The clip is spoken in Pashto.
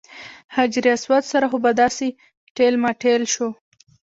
حجر اسود سره خو به داسې ټېل ماټېل شو.